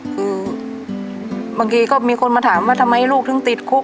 คือบางทีก็มีคนมาถามว่าทำไมลูกถึงติดคุก